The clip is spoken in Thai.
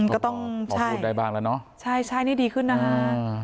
ก็ต้องใช่นี่ดีขึ้นนะคะ